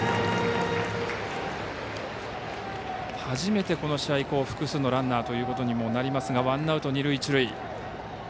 初めてこの試合、複数のランナーということにもなりますがワンアウト、ランナー、二塁一塁。